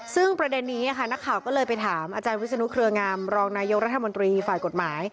ซึ่งประเด็นนี้นักข่าวก็เลยไปถามอาจารย์วิศนุเครืองามรองนายกรัฐมนตรีฝ่ายกฎหมาย